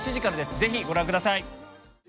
ぜひご覧ください。